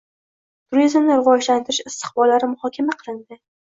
Turizmni rivojlantirish istiqbollari muhokama qilindi